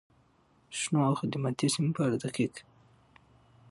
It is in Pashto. شنو او خدماتي سیمو په اړه دقیق،